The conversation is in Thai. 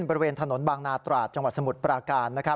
บริเวณถนนบางนาตราดจังหวัดสมุทรปราการ